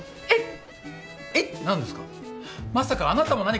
えっ？